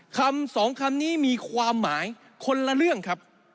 คำสองคำนี้มีความหมายคนละเรื่องครับ